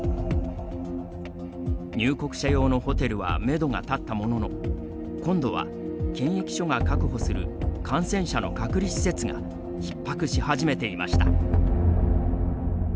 入国者用のホテルはめどが立ったものの今度は検疫所が確保する感染者の隔離施設がひっ迫し始めていました。